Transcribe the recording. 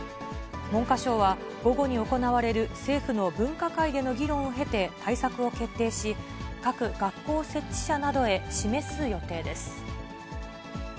文科省は、午後に行われる政府の分科会での議論を経て、対策を決定し、各学校設置者などへ示す予定です。